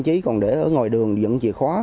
diên khánh hành vĩnh